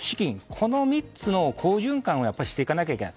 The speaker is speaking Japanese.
この３つの好循環をしていかないといけない。